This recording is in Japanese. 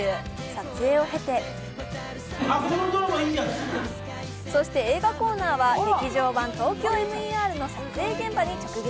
撮影を経てそして映画コーナーは「劇場版ＴＯＫＹＯＭＥＲ」の撮影現場に突撃。